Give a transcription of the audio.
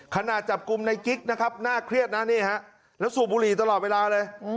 ขณะจับกลุ่มในกิ๊กนะครับน่าเครียดนะนี่ฮะแล้วสูบบุหรี่ตลอดเวลาเลย